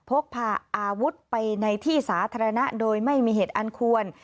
พกพาอาวุธไปในที่สาธารณะโดยไม่มีเหตุอันควร